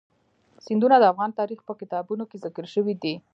سیندونه د افغان تاریخ په کتابونو کې ذکر شوی دي.